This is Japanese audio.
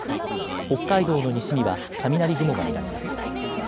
北海道の西には雷雲が見られます。